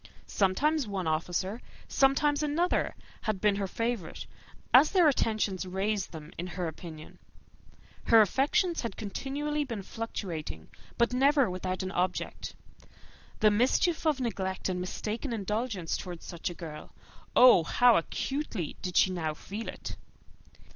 Sometimes one officer, sometimes another, had been her favourite, as their attentions raised them in her opinion. Her affections had been continually fluctuating, but never without an object. The mischief of neglect and mistaken indulgence towards such a girl oh! how acutely did she now feel it!